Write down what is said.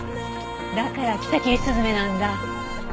だから着たきりすずめなんだ。